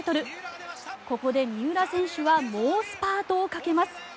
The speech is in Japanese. ここで三浦選手が猛スパートをかけます。